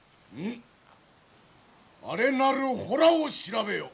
あれなる洞を調べよ！